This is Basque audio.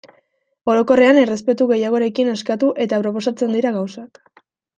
Orokorrean errespetu gehiagorekin eskatu eta proposatzen dira gauzak.